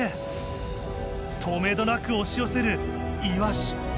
とめどなく押し寄せるイワシイワシイワシ！